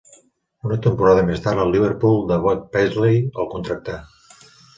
Una temporada més tard el Liverpool de Bob Paisley el contractà.